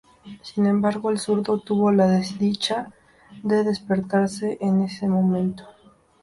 Sin embargo, el Zurdo tuvo la desdicha de despertarse en ese momento.